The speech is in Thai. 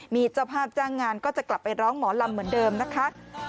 มีเจ้าภาพจ้างงานก็จะกลับไปร้องหมอลำเหมือนเดิมนะคะ